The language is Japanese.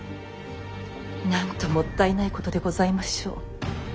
なんともったいないことでございましょう。